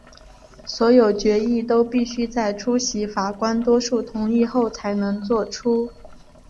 所有决议都必须在出席法官多数同意后才能做出。